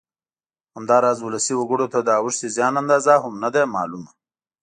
همداراز ولسي وګړو ته د اوښتې زیان اندازه هم نه ده معلومه